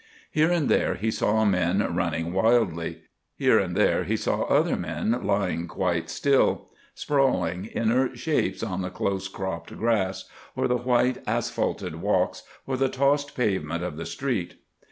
Here and there he saw men running wildly. Here and there he saw other men lying quite still—sprawling, inert shapes on the close cropped grass, or the white asphalted walks, or the tossed pavement of the street.